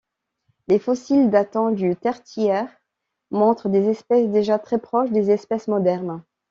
Les fossiles datant du Tertiaire, montrent des espèces déjà très proches des espèces modernes.